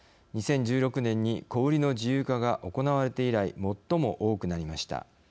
２０１６年に小売りの自由化が行われて以来最も多くなりました。